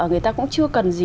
người ta cũng chưa cần gì